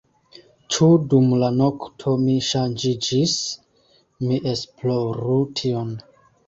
Ĉu dum la nokto mi ŝanĝiĝis? mi esploru tion.